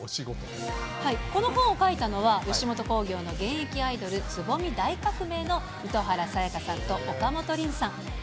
この本を書いたのは、吉本興業の現役アイドル、つぼみ大革命の糸原沙也加さんと岡本りんさん。